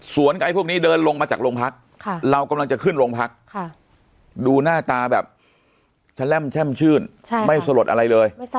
ส่วนไอ้พวกนี้เดินลงมาจากโรงพักเรากำลังจะขึ้นโรงพักดูหน้าตาแบบจะแร่มแช่มชื่นไม่สลดอะไรเลย